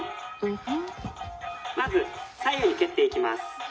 まず左右に蹴っていきます。